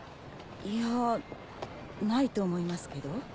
いやないと思いますけど。